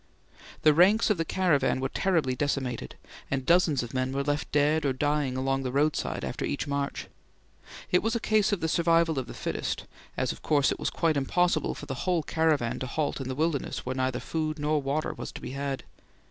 The ranks of the caravan were terribly decimated, and dozens of men were left dead or dying along the roadside after each march. It was a case of the survival of the fittest, as of course it was quite impossible for the whole caravan to halt in the wilderness where neither food nor water was to be had.